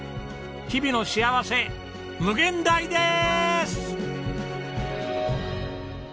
日々の幸せ無限大でーす！